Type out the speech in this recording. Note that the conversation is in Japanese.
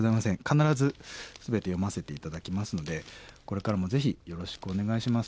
必ず全て読ませて頂きますのでこれからもぜひよろしくお願いします。